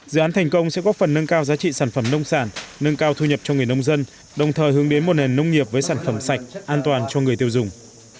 dự án thành công sẽ góp phần nâng cao giá trị sản phẩm nông sản nâng cao thu nhập cho người nông dân đồng thời hướng đến một nền nông nghiệp với sản phẩm sạch an toàn cho người tiêu dùng